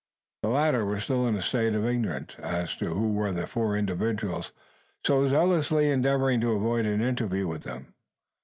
The latter were still in a state of ignorance as to who were the four individuals so zealously endeavouring to avoid an interview with them.